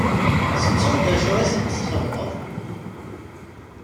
Tettuḍ d acu i sent-txedmeḍ?